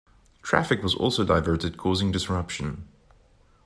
Traffic was also diverted causing disruption.